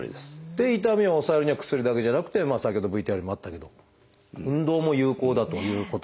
で痛みを抑えるには薬だけじゃなくて先ほどＶＴＲにもあったけど運動も有効だということ。